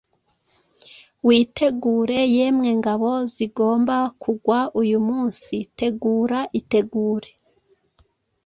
Witegure, yemwe ngabo, zigomba kugwa uyu munsi! Tegura, itegure!